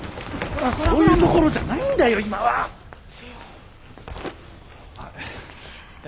そういうところじゃないんだよ今は。え。